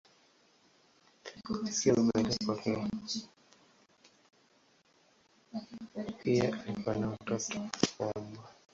Siku ya kuzaliwa kwake mbwa pia alikuwa na watoto wa mbwa.